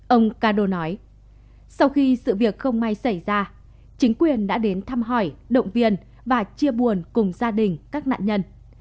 ông kado nói sau khi sự việc không may xảy ra chính quyền đã đến thăm hỏi động viên và chia buồn cùng gia đình các nạn nhân